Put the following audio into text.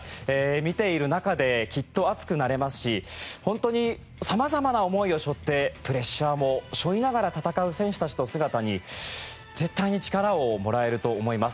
見ている中できっと熱くなれますし本当に様々な思いを背負ってプレッシャーも背負いながら戦う選手たちの姿に絶対に力をもらえると思います。